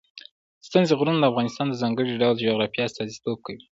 ستوني غرونه د افغانستان د ځانګړي ډول جغرافیه استازیتوب کوي.